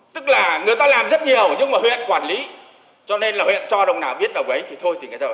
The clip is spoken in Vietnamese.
tức là người ta làm rất nhiều nhưng mà huyện quản lý cho nên là huyện cho đồng nào biết là quấy thì thôi thì cái đó